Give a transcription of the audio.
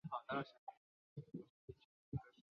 布鲁克山是美国阿拉巴马州下属的一座城市。